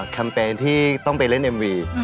แคมเปญที่ต้องไปเล่นเอ็มวี